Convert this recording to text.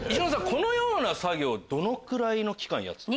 このような作業をどのくらいの期間やってた？